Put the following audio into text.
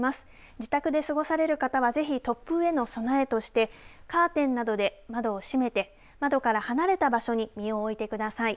自宅で過ごされる方はぜひ突風への備えとしてカーテンなどで窓を閉めて窓から離れた場所に身を置いてください。